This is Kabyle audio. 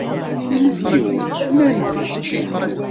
Yemmut yiwen, nnan-d d keččini.